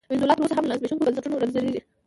وینزویلا تر اوسه هم له زبېښونکو بنسټونو رنځېږي.